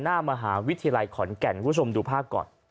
หน้ามหาวิทยาลัยขอนแก่นคุณผู้ชมดูภาพก่อน